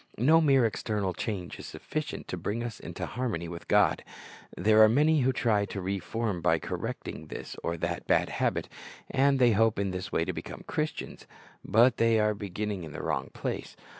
No mere external change is sufficient to bring us into harmony with God. There are many who try to re form by correcting this or that bad habit, and they hope in this way to become Christians, but they are beginning in the wrong place.